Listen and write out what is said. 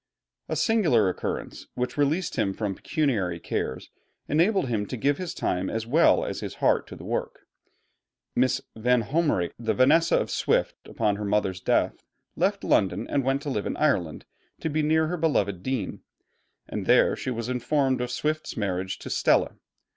A singular occurrence, which released him from pecuniary cares, enabled him to give his time as well as his heart to the work. Miss Vanhomrigh, the 'Vanessa' of Swift, upon her mother's death, left London, and went to live in Ireland, to be near her beloved Dean; and there she was informed of Swift's marriage to 'Stella.'